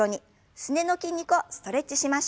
すねの筋肉をストレッチしましょう。